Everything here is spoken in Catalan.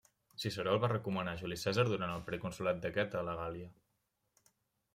Ciceró el va recomanar a Juli Cèsar durant el proconsolat d'aquest a la Gàl·lia.